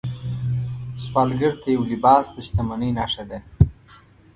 سوالګر ته یو لباس د شتمنۍ نښه ده